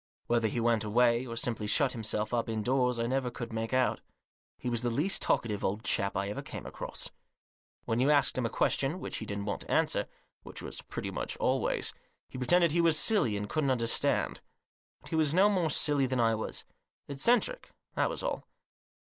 Whether he went away or simply shut himself up indoors I never could make out He was the least talkative old chap I ever came across. When you asked him a question which he didn't want to answer, which was pretty well always, he pretended he was silly and couldn't understand. But he was no more silly than I was ; eccentric, that was all.